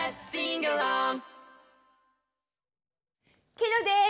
ケロです！